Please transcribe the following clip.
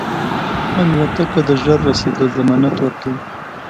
الوتکه د ژر رسېدو ضمانت ورکوي.